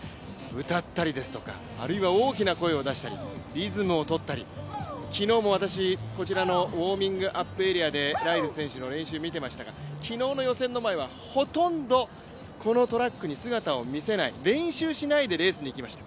歌ったりですとか、大きな声を出したり、リズムをとったり、昨日も私、こちらのウォーミングアップエリアでライルズ選手の様子見ていましたが昨日の予選の前はほとんどこのトラックに姿を見せない、練習しないでレースに行きました。